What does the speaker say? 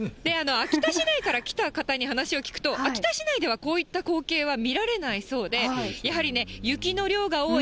秋田市内から来た方に話を聞くと、秋田市内ではこういった光景は見られないそうで、やはりね、雪の量が多い